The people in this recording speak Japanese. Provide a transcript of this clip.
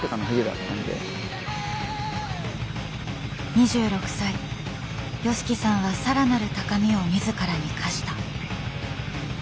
２６歳ＹＯＳＨＩＫＩさんはさらなる高みを自らに課した。